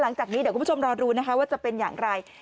หลังจากนี้เดี๋ยวคุณผู้ชมรอดูนะคะว่าจะเป็นอย่างไร